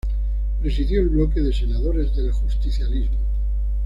Presidió el Bloque de Senadores del Justicialismo.